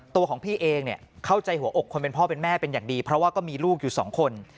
ตัวของพี่เองเข้าใจหัวอกคนเป็นพ่อเป็นแม่เป็นอย่างดีเพราะว่าก็มีลูกอยู่สองคน